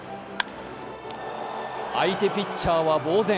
相手ピッチャーは呆然。